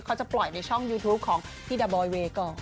เขาจะปล่อยในช่องยูทูปของพี่ดาบอยเวย์ก่อน